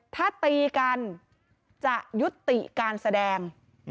ถ้าตีกันจะยุติการแสดง